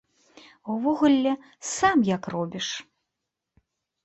Увогуле, сам як робіш?